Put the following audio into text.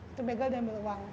itu begal dan ambil uang